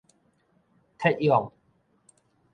撤勇